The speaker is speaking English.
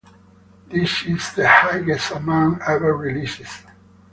This is the highest amount ever released.